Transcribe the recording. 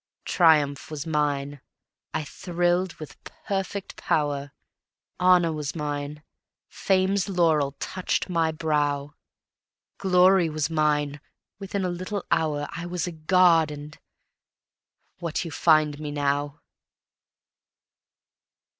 Triumph was mine, I thrilled with perfect power; Honor was mine, Fame's laurel touched my brow; Glory was mine within a little hour I was a god and ... what you find me now.